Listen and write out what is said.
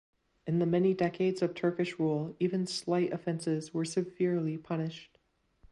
In the many decades of Turkish rule even slight offenses were severely punished.